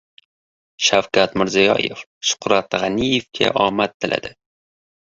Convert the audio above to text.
Shavkat Mirziyoyev Shuhrat G‘aniyevga omad tiladi